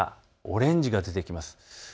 オレンジが出てきます。